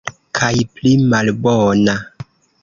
Kaj pli malbona.